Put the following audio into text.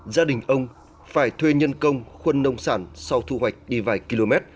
gia đình ông phải thuê nhân công khuân nông sản sau thu hoạch đi vài km